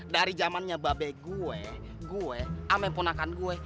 dari zamannya babek gue gue ame punakan gue